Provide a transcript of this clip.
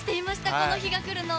この日がくるのを。